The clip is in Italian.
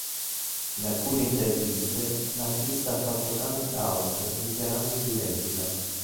In alcune interviste, l'artista ha fatto coming out dichiarandosi lesbica.